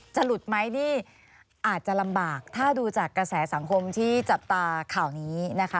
หลุดไหมนี่อาจจะลำบากถ้าดูจากกระแสสังคมที่จับตาข่าวนี้นะคะ